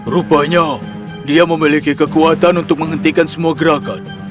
rupanya dia memiliki kekuatan untuk menghentikan semua gerakan